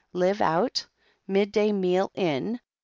"Live out; midday meal in.